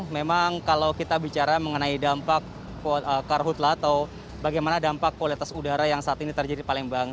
memang kalau kita bicara mengenai dampak karhutlah atau bagaimana dampak kualitas udara yang saat ini terjadi di palembang